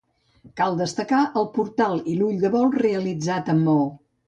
Cal destacar el portal i l'ull de bou realitzat amb maó.